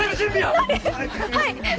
はい！